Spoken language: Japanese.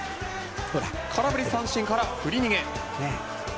空振り三振から振り逃げ。